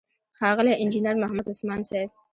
ښاغلی انجينر محمد عثمان صيب،